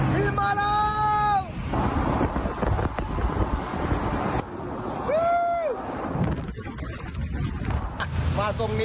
พิมมาแล้ว